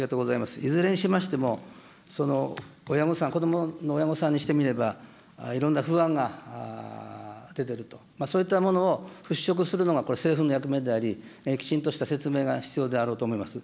いずれにしましても、親御さん、子どもの親御さんにしてみれば、いろんな不安が出てると、そういったものを払拭するのが政府の役目であり、きちんとした説明が必要であろうと思います。